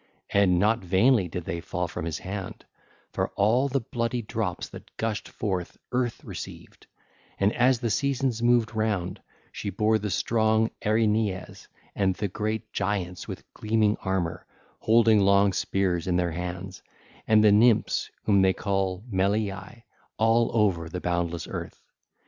And not vainly did they fall from his hand; for all the bloody drops that gushed forth Earth received, and as the seasons moved round she bare the strong Erinyes and the great Giants with gleaming armour, holding long spears in their hands and the Nymphs whom they call Meliae 1608 all over the boundless earth.